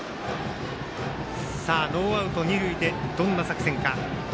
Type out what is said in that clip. ノーアウト、二塁でどんな作戦か。